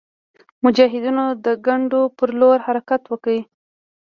مجاهدینو د کنډو پر لور حرکت وکړ.